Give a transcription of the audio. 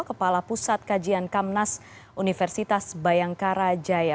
kepala pusat kajian kamnas universitas bayangkara jaya